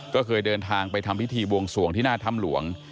ไปดินทางไปทำพิธีบวงศวงที่น่าทำหลวง